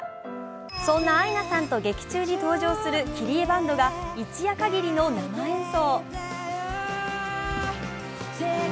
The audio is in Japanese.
そんなアイナさんと劇中に登場するキリエバンドが一夜かぎりの生演奏。